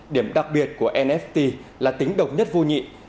điểm đặc biệt của nft là tính độc nhất vô nhị